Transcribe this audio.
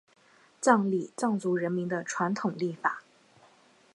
藏历藏族人民的传统历法。